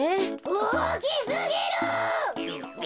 おおきすぎる！